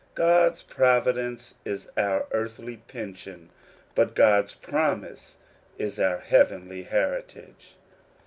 God's providence is our earthly pension ; but God's promise is our heavenly heritage.